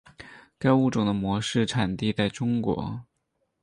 该物种的模式产地在中国。